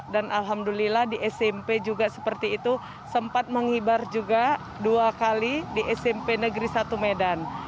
dan alhamdulillah di smp juga seperti itu sempat menghibar juga dua kali di smp negeri satu medan